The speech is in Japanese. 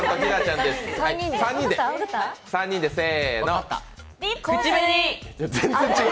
３人でせーの。